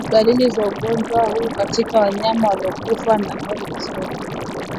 Dalili za ugonjwa huu katika wanyama waliokufa au mizoga